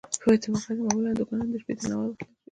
په بیت المقدس کې معمولا دوکانونه د شپې تر ناوخته خلاص وي.